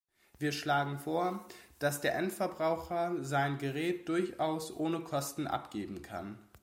Wir schlagen vor, dass der Endverbraucher sein Gerät durchaus ohne Kosten abgeben kann.